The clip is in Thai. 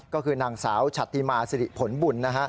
ก็คือนางสาวชัตริมาศรีผลบุญ